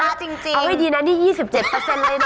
เอาให้ดีนะนี่๒๗เลยนะ